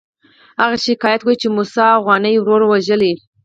هغه شکایت کوي چې موسی اوغاني ورور وژلی.